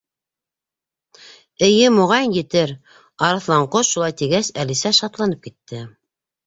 — Эйе, моғайын, етер, —Арыҫланҡош шулай тигәс, Әлисә шатланып китте.